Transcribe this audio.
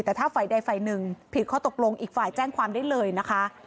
แต่ถ้าฝ่ายใดฝ่ายหนึ่งผิดข้อตกลงอีกฝ่ายแจ้งความได้เลยนะคะ